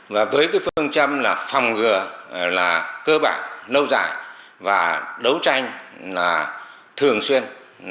và với phương châm là phòng ngừa là cơ bản lâu dài và đấu tranh thường xuyên